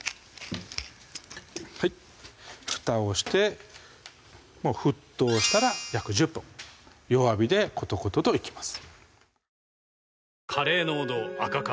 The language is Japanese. ふたをして沸騰したら約１０分弱火でことことといきます